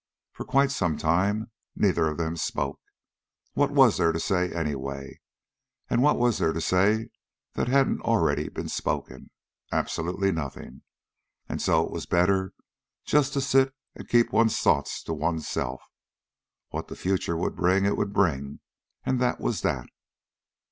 For quite some time neither of them spoke. What was there to say, anyway? What was there to say that hadn't already been spoken? Absolutely nothing. And so it was better just to sit and keep one's thoughts to oneself. What the future would bring it would bring, and that was that!